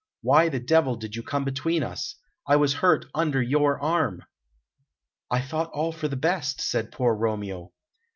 Why the devil did you come between us? I was hurt under your arm." "I thought all for the best," said poor Romeo.